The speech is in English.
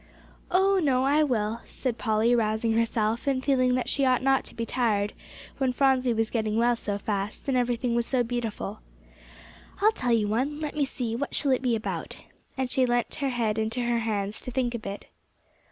"Oh, no, I will," said Polly, rousing herself, and feeling that she ought not to be tired, when Phronsie was getting well so fast, and everything was so beautiful. "I'll tell you one. Let me see, what shall it be about?" and she leant her head in her hands to think a bit.